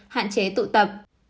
hạn chế tụ tập